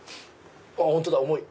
本当だ重い！